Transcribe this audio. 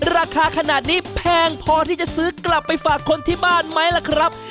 ราคาขนาดนี้แพงพอที่จะซื้อกลับไปฝากคนที่บ้านไหมล่ะครับ